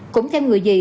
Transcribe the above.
cũng theo người dì